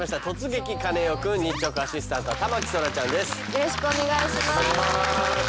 よろしくお願いします。